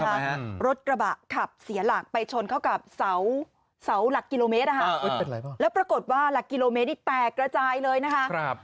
หัวสถานีกระบะขับเสียหลักไปชนเข้ากับเสาหลักกิโลเมตร